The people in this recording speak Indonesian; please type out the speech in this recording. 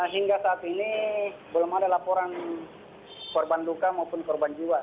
hingga saat ini belum ada laporan korban luka maupun korban jiwa